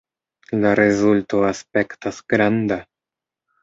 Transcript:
La rezulto aspektas granda!